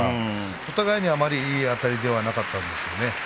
お互いにあんまりいいあたりではなかったですよね。